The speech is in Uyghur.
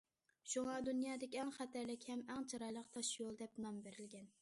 شۇڭا دۇنيادىكى ئەڭ خەتەرلىك ھەم ئەڭ چىرايلىق تاشيول دەپ نام بېرىلگەن.